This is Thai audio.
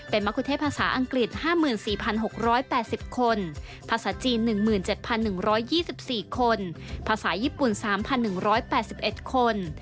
เป็นมะคุเทศภาษาอังกฤษ๕๔๖๘๐คนภาษาจีน๑๗๑๒๔คนภาษาญี่ปุ่น๓๑๘๑คน